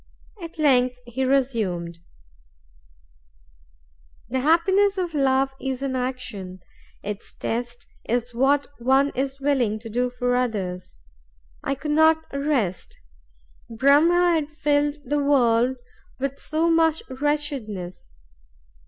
At length he resumed: "The happiness of love is in action; its test is what one is willing to do for others. I could not rest. Brahm had filled the world with so much wretchedness.